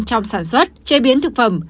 trong sản xuất chế biến thực phẩm